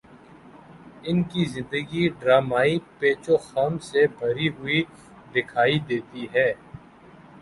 ان کی زندگی ڈرامائی پیچ و خم سے بھری ہوئی دکھائی دیتی ہے۔